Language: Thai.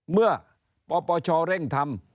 เมื่อพปชเร่งทำ